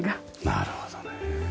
なるほどね。